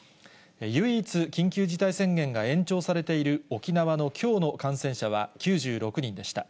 唯一、緊急事態宣言が延長されている沖縄のきょうの感染者は９６人でした。